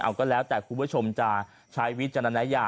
ออกก็แล้วแต่ทุกผู้ชมจะใช้วิจจนนายา